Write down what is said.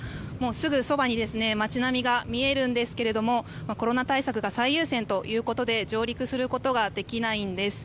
すぐそばに街並みが見えるんですがコロナ対策が最優先ということで上陸することができないんです。